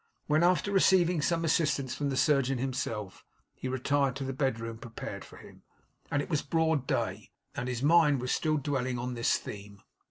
When, after receiving some assistance from the surgeon himself, he retired to the bedroom prepared for him, and it was broad day, his mind was still dwelling on this theme.